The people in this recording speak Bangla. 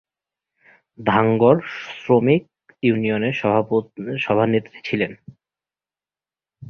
ধাঙ্গড় শ্রমিক ইউনিয়নের সভানেত্রী ছিলেন।